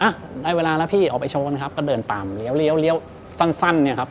อ่ะได้เวลาแล้วพี่ออกไปโชว์นะครับก็เดินตามเลี้ยวสั้นเนี่ยครับ